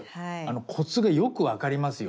コツがよく分かりますよ